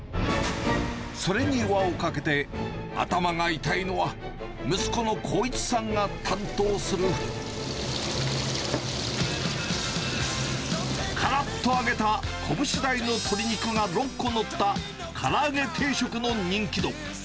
それに輪をかけて、頭が痛いのは、息子の光一さんが担当する、からっと揚げた拳大の鶏肉が６個載った、から揚げ定食の人気度。